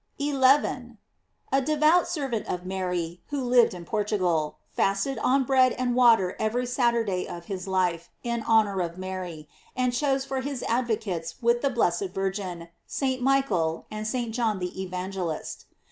* 11. — A devout servant of Mary, who lived in Portugal , fasted on bread and water every Saturday of his life, in honor of Mary, and chose for his advocates with the blessed Virgin, St. Michael and St. John the Evangelist.